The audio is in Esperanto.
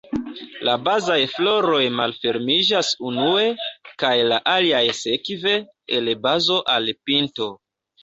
La bazaj floroj malfermiĝas unue, kaj la aliaj sekve, el bazo al pinto.